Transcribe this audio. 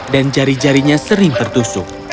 dan jari jarinya sering tertusuk